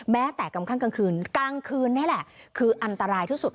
แม้แต่กำข้างกลางคืนกลางคืนนี่แหละคืออันตรายที่สุด